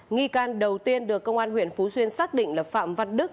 nghi can đầu tiên được công an huyện phú xuyên xác định là phạm văn đức